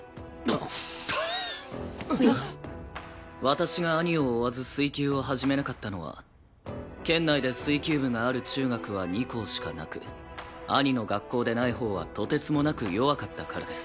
私が兄を追わず水球を始めなかったのは県内で水球部がある中学は２校しかなく兄の学校でないほうはとてつもなく弱かったからです。